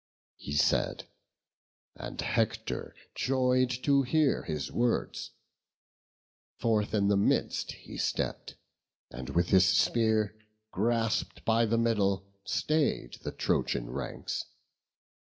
He said, and Hector joy'd to hear his words: Forth in the midst he stepp'd, and with his spear Grasp'd by the middle, stay'd the Trojan ranks.